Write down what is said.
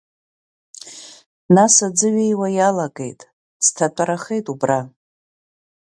Нас аӡы ҩеиуа иалагеит, ӡҭатәарахеит убра.